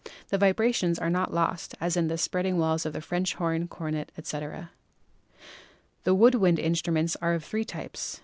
The vibrations are not lost as in the spreading walls of the French horn, cornet, etc. The wood wind instruments are of three types.